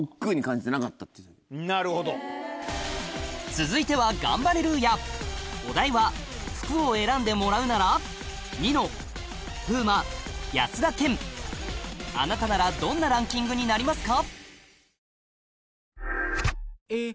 続いてはガンバレルーヤお題はあなたならどんなランキングになりますか？